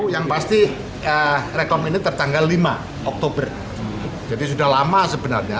yang pasti rekom ini tertanggal lima oktober jadi sudah lama sebenarnya